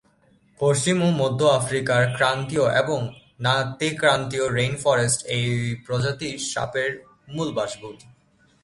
পশ্চিম ও মধ্য আফ্রিকার ক্রান্তীয় এবং নাতি-ক্রান্তীয় রেইন ফরেস্ট এই প্রজাতির সাপের মূল বাসভূমি।